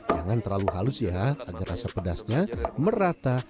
jangan terlalu halus ya agar rasa pedasnya merata